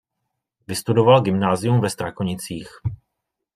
Vystudoval gymnázium ve Strakonicích.